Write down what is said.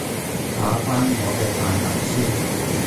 打返我嘅快含先